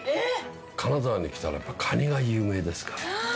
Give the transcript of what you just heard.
金沢に来たらカニが有名ですから。